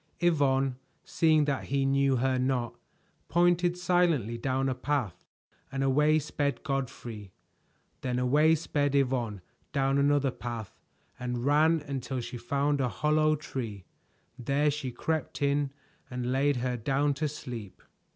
Yvonne, seeing that he knew her not, pointed silently down a path, and away sped Godfrey. Then away sped Yvonne down another path and ran until she found a hollow tree. There she crept in and laid her down to sleep.